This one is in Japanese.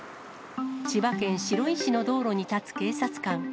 千葉県白井市の道路に立つ警察官。